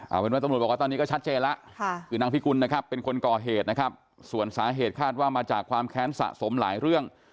เอาเป็นว่าต้องบอกว่าตอนนี้ก็ชัดเจนนางพิกุลเป็นคนก่อเหตุส่วนสาเหตุคาสมาจากความแค้นสะสมหลายเรื่อง